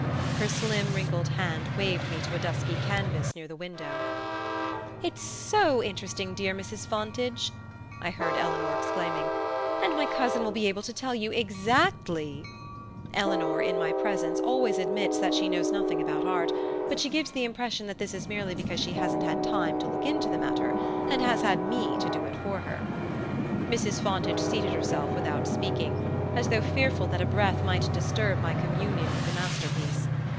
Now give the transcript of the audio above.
Her slim wrinkled hand waved me to a dusky canvas near the window. "It's so interesting, dear Mrs. Fontage," I heard Eleanor exclaiming, "and my cousin will be able to tell you exactly " Eleanor, in my presence, always admits that she knows nothing about art; but she gives the impression that this is merely because she hasn't had time to look into the matter and has had me to do it for her. Mrs. Fontage seated herself without speaking, as though fearful that a breath might disturb my communion with the masterpiece.